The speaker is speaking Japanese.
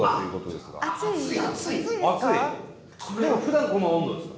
でもふだんこの温度ですか？